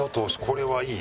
これはいい！